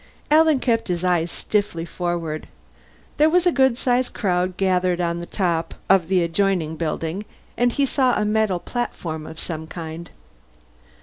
Alan kept his eyes stiffly forward. There was a good sized crowd gathered on the top of the adjoining building, and he saw a metal platform of some kind.